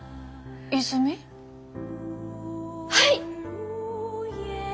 はい！